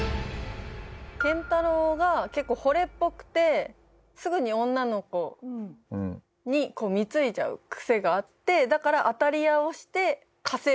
健太郎が結構惚れっぽくてすぐに女の子に貢いじゃう癖があってだから当たり屋をして稼いでた。